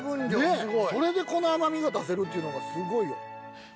それでこの甘みが出せるっていうのがすごいよ。